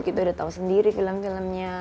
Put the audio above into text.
kita udah tahu sendiri film filmnya